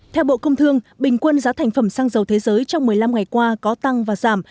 theo bộ công thương bình quân giá thành phẩm xăng dầu thế giới trong một mươi năm ngày qua có tăng và giảm